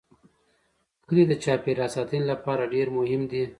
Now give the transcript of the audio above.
کلي د چاپیریال ساتنې لپاره ډېر مهم دي.